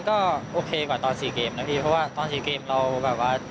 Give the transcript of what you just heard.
ก็โอเคกว่าตอน๔เกมนะพี่เพราะว่าตอน๔เกมเราแบบว่า